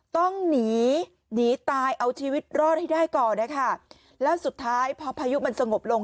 ต้องหนีหนีตายเอาชีวิตรอดให้ได้ก่อนนะคะแล้วสุดท้ายพอพายุมันสงบลง